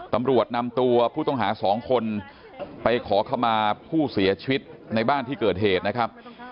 ตำรวจนำตัวผู้ต้องหาสองคนไปขอขมาผู้เสียชีวิตในบ้านที่เกิดเหตุนะครับ